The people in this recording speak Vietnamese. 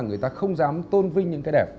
người ta không dám tôn vinh những cái đẹp